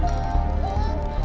nih ini udah gampang